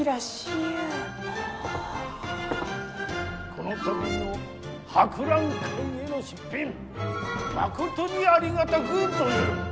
この度の博覧会への出品まことにありがたく存ずる。